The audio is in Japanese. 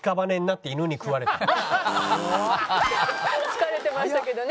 疲れてましたけどね。